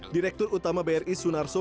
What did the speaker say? direktur utama bri sunar somad